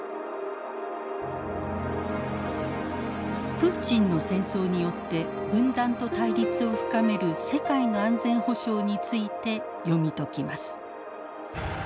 プーチンの戦争によって分断と対立を深める世界の安全保障について読み解きます。